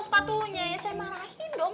sepatunya ya saya marahin dong